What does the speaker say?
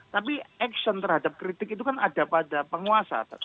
tapi action terhadap kritik itu kan ada pada penguasa